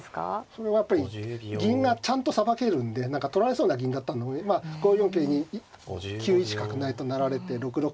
それはやっぱり銀がちゃんとさばけるんで取られそうな銀だったのを５四桂に９一角成と成られて６六桂同歩で。